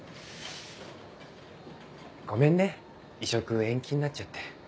ごめんね移植延期になっちゃって。